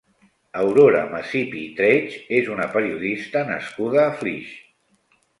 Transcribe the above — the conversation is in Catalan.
Aurora Massip i Treig és una periodista nascuda a Flix.